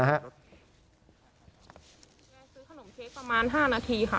เมื่อก่อนก็ซื้อขนมเช้กประมาณ๕นาทีค่ะ